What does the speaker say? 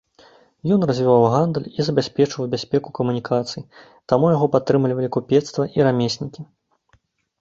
Ён развіваў гандаль і забяспечваў бяспеку камунікацый, таму яго падтрымлівалі купецтва і рамеснікі.